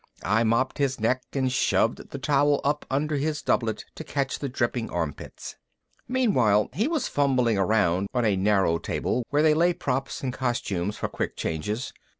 I mopped his neck and shoved the towel up under his doublet to catch the dripping armpits. Meanwhile he was fumbling around on a narrow table where they lay props and costumes for quick changes.